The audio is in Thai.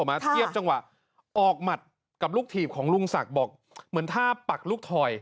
มาเทียบจังหวะออกหมัดกับลูกถีบของลุงศักดิ์บอกเหมือนท่าปักลูกถอย